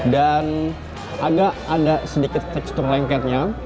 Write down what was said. dan agak ada sedikit tekstur lengketnya